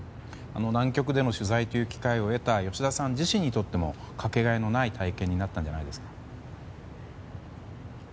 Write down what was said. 南極での取材という機会を経た吉田さんにとってもかけがえのない体験になったんじゃないですか？